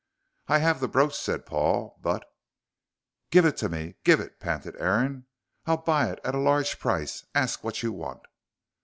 "I have the brooch," said Paul, "but " "Give it to me give it," panted Aaron. "I'll buy it at a large price. Ask what you want."